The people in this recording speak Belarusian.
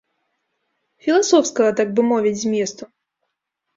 Філасофскага, так бы мовіць, зместу.